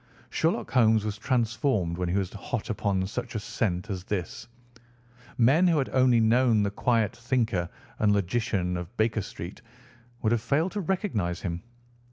Sherlock Holmes was transformed when he was hot upon such a scent as this. Men who had only known the quiet thinker and logician of Baker Street would have failed to recognise him.